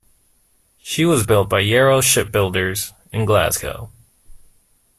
She was built by Yarrow Shipbuilders in Glasgow.